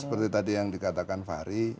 seperti tadi yang dikatakan fahri